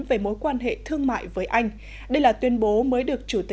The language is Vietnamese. về mối quan hệ thương mại với anh đây là tuyên bố mới được